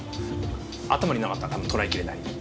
頭になかったら多分捉えきれない。